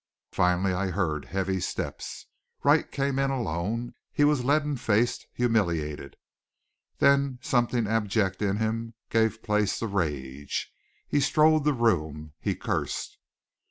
Finally I heard heavy steps. Wright came in alone. He was leaden faced, humiliated. Then something abject in him gave place to rage. He strode the room; he cursed.